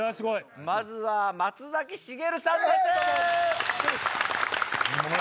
まずは松崎しげるさんです。